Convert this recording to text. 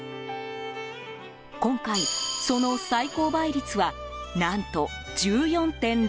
今回、その最高倍率は何と１４．６倍。